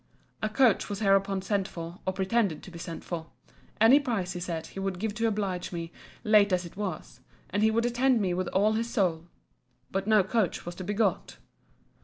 A coach was hereupon sent for, or pretended to be sent for. Any price, he said, he would give to oblige me, late as it was; and he would attend me with all his soul. But no coach was to be got.